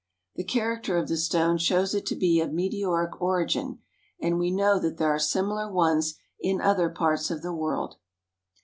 The character of the stone shows it to be of meteoric origin, and we know that there are similar ones in other parts of the world.